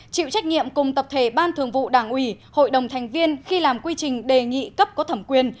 chịu trách nhiệm cùng tập thể ban thường vụ đảng ủy hội đồng thành viên khi làm quy trình đề nghị cấp có thẩm quyền